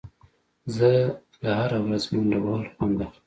زه له هره ورځ منډه وهل خوند اخلم.